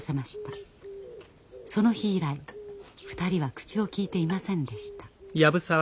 その日以来２人は口をきいていませんでした。